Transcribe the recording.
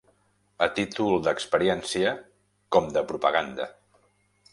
A títol d'experiència, com de propaganda.